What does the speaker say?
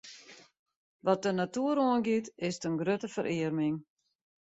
Wat de natoer oangiet, is it in grutte ferearming.